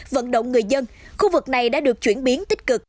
vận động người dân khu vực này đã được chuyển biến tích cực